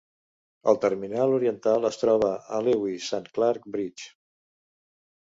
El terminal oriental es troba a Lewis and Clark Bridge.